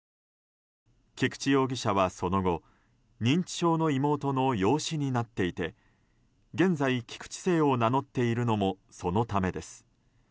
菊池容疑者はその後、認知症の妹の養子になっていて現在、菊池姓を名乗っているのもそのためです。